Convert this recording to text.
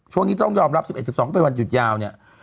ช่วงนี้ต้องยอมรับ๑๑๑๒ก็เป็นวันหยุดยาวเนี่ย